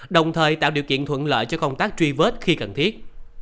đồng thời tạo điều kiện thuận lợi cho công tác truy vết khi cần thiết